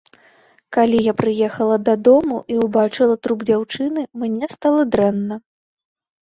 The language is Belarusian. Калі я прыехала да дому і ўбачыла труп дзяўчыны, мне стала дрэнна.